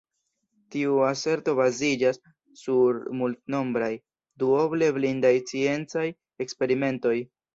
Tiu aserto baziĝas sur multnombraj, duoble blindaj sciencaj eksperimentoj.